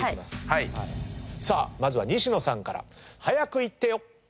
まずは西野さんから。早くイッてよ！